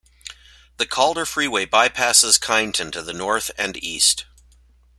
The Calder Freeway bypasses Kyneton to the north and east.